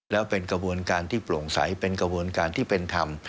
แล้วเป็นกระบวนการที่โปร่งใสเป็นกระบวนการที่เป็นธรรม